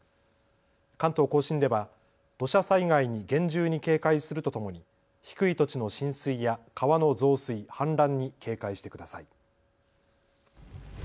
関東甲信では土砂災害に厳重に警戒するとともに低い土地の浸水や川の増水、氾濫に警戒してください。